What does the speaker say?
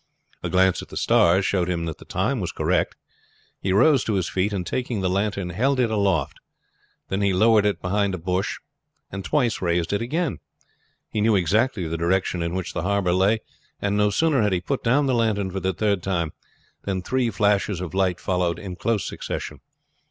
A glance at the stars showed him that the time was correct. He rose to his feet, and taking the lantern held it aloft, then he lowered it behind a bush and twice raised it again. He knew exactly the direction in which the harbor lay, and no sooner had he put down the lantern for the third time than three flashes of light followed in close succession.